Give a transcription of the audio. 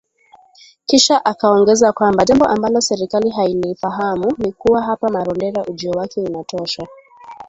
Kisha akaongeza kwamba jambo ambalo serikali hailifahamu ni kuwa hapa Marondera, ujio wake unatosha.”